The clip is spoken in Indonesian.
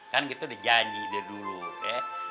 kan kita udah janji dari dulu ya